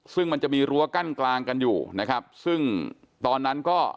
ซึ่งมันจะมีรั้วกั้นกลางกันอยู่นะครับซึ่งตอนนั้นก็